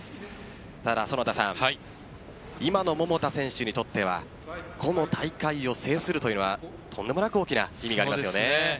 ただ、今の桃田選手にとってはこの大会を制するというのはとんでもなく大きな意味がありますよね。